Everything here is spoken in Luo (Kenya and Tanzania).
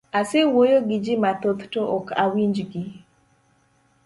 Asewuoyo giji mathoth to okawinj gi.